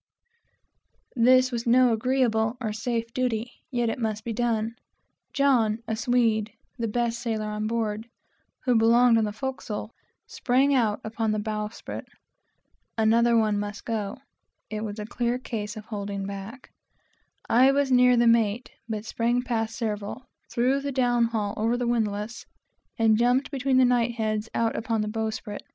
This was no agreeable or safe duty, yet it must be done. An old Swede, (the best sailor on board,) who belonged on the forecastle, sprang out upon the bowsprit. Another one must go: I was near the mate, and sprang forward, threw the down haul over the windlass, and jumped between the knight heads out upon the bowsprit.